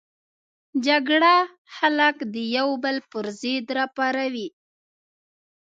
جګړه خلک د یو بل پر ضد راپاروي